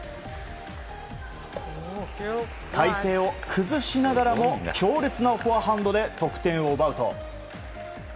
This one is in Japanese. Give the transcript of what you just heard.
体勢を崩しながらも強烈なフォアハンドで得点を奪うと。